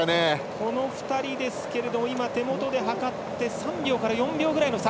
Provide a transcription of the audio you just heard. この２人、手元で計って３秒から４秒ぐらいの差。